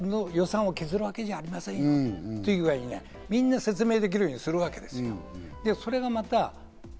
決して復興の予算を削るわけではありませんよという具合に、みんな説明できるようにするわけです。